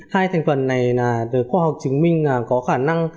hai thành phần này được khoa học chứng minh có khả năng